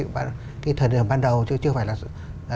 cái thời điểm ban đầu chứ chưa phải là